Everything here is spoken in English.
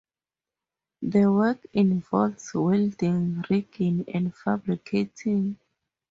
The work involves welding, rigging and fabricating.